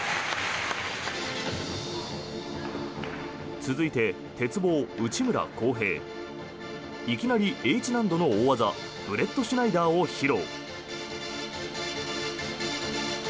続いて、鉄棒内村航平。いきなりＨ難度の大技ブレットシュナイダーを披露。